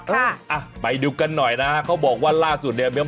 อ่ะไปดูกันหน่อยนะฮะเขาบอกว่าล่าสุดเนี่ย